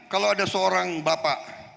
kalau ada seorang bapak